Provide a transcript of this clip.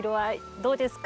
どうですか？